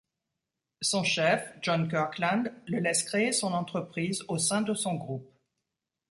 Son chef, John Kirkland, le laisse créer son entreprise au sein de son groupe.